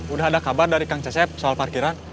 udah ada kabar dari kang cesep soal parkiran